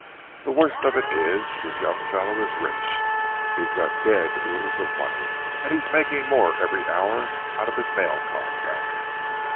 The worst of it is, this young fellow is rich—he's got dead oodles of money and he's making more every hour out of his mail contracts.